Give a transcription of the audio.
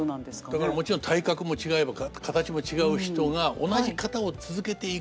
だからもちろん体格も違えば形も違う人が同じ型を続けていく。